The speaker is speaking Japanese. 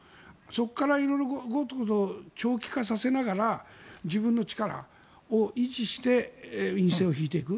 そこから色々、長期化させながら自分の力を維持して院政を敷いていく。